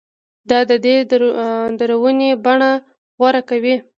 دا پدیدې دروني بڼه غوره کوي